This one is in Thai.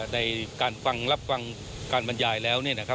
ในการฟังรับฟังการบรรยายแล้ว